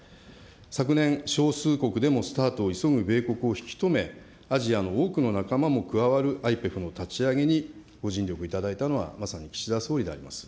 昨年、少数国でもスタートを急ぐ米国を引き止め、アジアの多くの仲間も加わるＩＰＥＦの立ち上げにご尽力いただいたのは、まさに岸田総理であります。